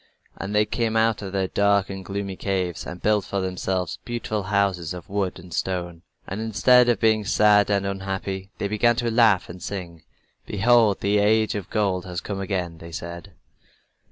And they came out of their dark and gloomy caves and built for themselves beautiful houses of wood and stone. And instead of being sad and unhappy they began to laugh and sing. "Behold, the Age of Gold has come again," they said.